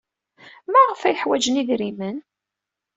Maɣef ay ḥwajen idrimen?